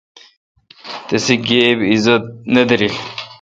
تسی گیب اعزت نہ دارل۔